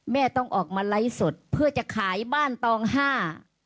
แม่ต้องออกมาไลฟ์สดเพื่อจะขายบ้านตองห้า